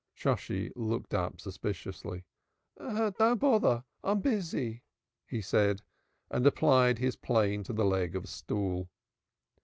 Shosshi looked up suspiciously. "Don't bother: I am busy," he said, and applied his plane to the leg of a stool.